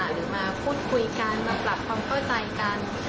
หรือมาพูดคุยกันมาปรับความเข้าใจกัน